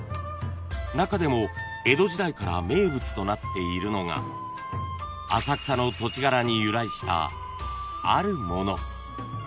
［中でも江戸時代から名物となっているのが浅草の土地柄に由来したあるもの］